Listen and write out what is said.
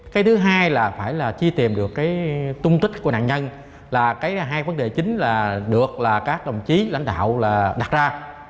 cái thứ hai là phải là chi tìm được cái tung tích của nạn nhân là cái hai vấn đề chính là được là các đồng chí lãnh đạo là đặt ra